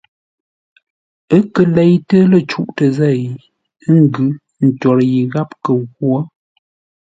Ə́ kə́ leitə́ lə́ cûʼtə zêi ə́ ńgʉ́ ntwor yi gháp kə ghwo.